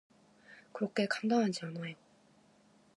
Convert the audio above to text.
그렇게 간단하지 않아요.